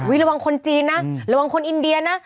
ระวังคนจีนนะระวังคนอินเดียนะ